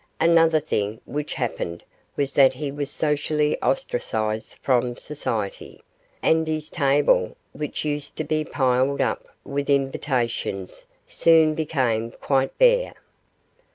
Another thing which happened was that he was socially ostracised from society, and his table, which used to be piled up with invitations, soon became quite bare.